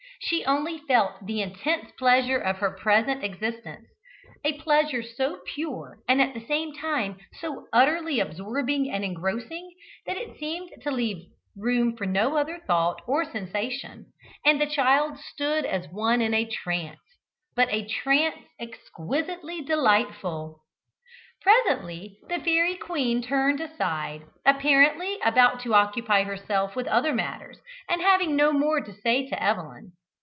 She only felt the intense pleasure of her present existence a pleasure so pure and at the same time so utterly absorbing and engrossing that it seemed to leave room for no other thought or sensation, and the child stood as one in a trance but a trance exquisitely delightful! Presently the fairy queen turned aside, apparently about to occupy herself with other matters, and having no more to say to Evelyn.